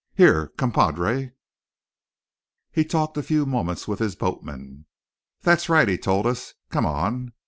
Here, compadre!" He talked a few moments with his boatman. "That's right," he told us, then. "Come on!"